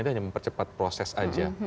dia hanya mempercepat proses aja